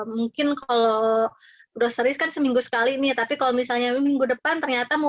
mungkin kalau roser iskan seminggu sekali ini tapi kalau misalnya minggu depan ternyata mau